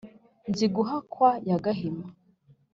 nziguhakwa ya gahima,